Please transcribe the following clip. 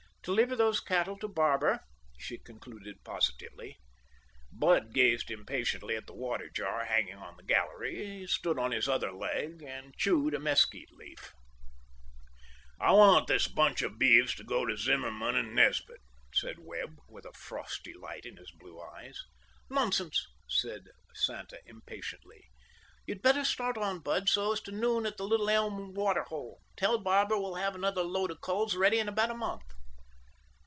"Deliver those cattle to Barber," she concluded positively. Bud gazed impartially at the water jar hanging on the gallery, stood on his other leg, and chewed a mesquite leaf. "I want this bunch of beeves to go to Zimmerman and Nesbit," said Webb, with a frosty light in his blue eyes. "Nonsense," said Santa impatiently. "You'd better start on, Bud, so as to noon at the Little Elm water hole. Tell Barber we'll have another lot of culls ready in about a month."